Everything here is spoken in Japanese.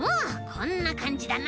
こんなかんじだな。